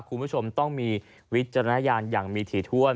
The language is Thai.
คุณผู้ชมต้องมีวิจารณญาณอย่างมีถี่ถ้วน